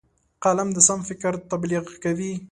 قلم د سم فکر تبلیغ کوي